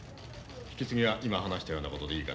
引き継ぎは今話したようなことでいいかね。